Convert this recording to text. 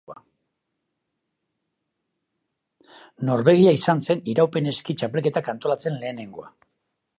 Norvegia izan zen iraupen eski txapelketak antolatzen lehenengoa.